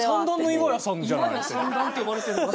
岩谷三段って呼ばれてんのか。